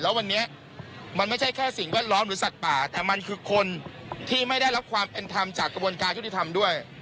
แล้ววันนี้มันไม่ใช่แค่สิ่งแวดล้อมหรือสัตว์ป่าแต่มันคือคนที่ไม่ได้รับความเป็นธรรมจากกระบวนการยุติธรรมด้วย